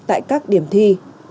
tại các điểm thi